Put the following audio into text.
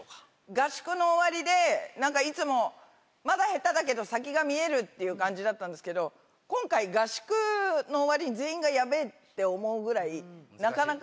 合宿の終わりでなんかいつもまだ下手だけど先が見えるっていう感じだったんですけど今回合宿の終わりに全員がヤベェって思うぐらいなかなか。